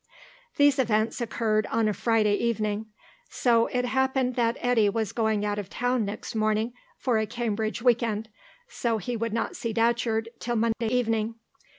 These events occurred on a Friday evening. It so happened that Eddy was going out of town next morning for a Cambridge week end, so he would not see Datcherd till Monday evening.